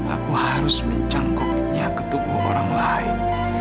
aku harus mencangkuknya ke tubuh orang lain